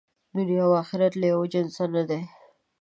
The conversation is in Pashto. دنیا او آخرت له یوه جنسه نه دي.